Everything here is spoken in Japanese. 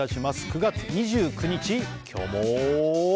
９月２９日、今日も。